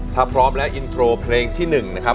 ถ้าพร้อมแล้วอินโทรเพลงที่๑นะครับ